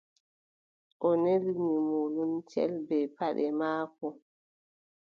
O nelini mo limcel bee paɗe maako.